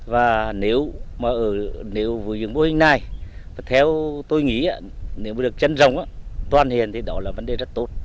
và nếu mà nếu với những mô hình này theo tôi nghĩ nếu mà được chân rồng toàn hiền thì đó là vấn đề rất tốt